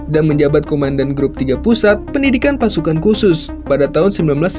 dan menjabat komandan grup tiga pusat pendidikan pasukan khusus pada tahun seribu sembilan ratus sembilan puluh tiga